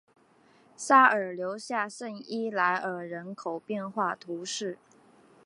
沙尔留下圣伊莱尔人口变化图示